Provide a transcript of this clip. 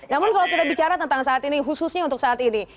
namun kalau kita bicara tentang saat ini khususnya untuk saat ini